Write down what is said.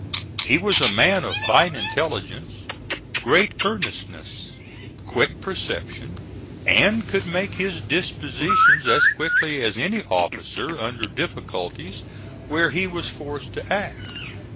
He was a man of fine intelligence, great earnestness, quick perception, and could make his dispositions as quickly as any officer, under difficulties where he was forced to act.